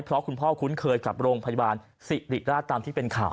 เพราะคุณพ่อคุ้นเคยกับโรงพยาบาลสิริราชตามที่เป็นข่าว